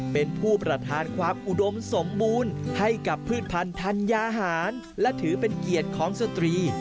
เป็นผู้ประทานความอุดมสมบูรณ์ให้กับพืชพันธัญญาหารและถือเป็นเกียรติของสตรี